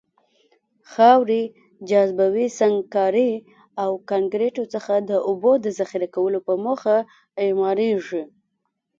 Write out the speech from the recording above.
خاورې، جاذبوي سنګکارۍ او کانکریتو څخه د اوبو د ذخیره کولو په موخه اعماريږي.